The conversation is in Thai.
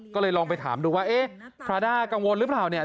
ก็เลยลองไปถามดูว่าเอ๊ะพระอาทิตย์กังวลรึเปล่าเนี่ย